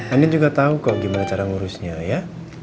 andin juga tau kok gimana cara ngurusnya ya